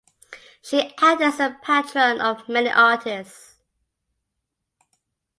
She acted as the patron of many artists.